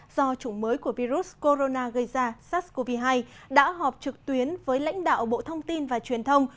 do chủng mới của virus corona gây ra sars cov hai đã họp trực tuyến với lãnh đạo bộ thông tin và truyền thông